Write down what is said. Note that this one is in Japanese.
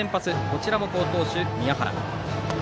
こちらも好投手、宮原。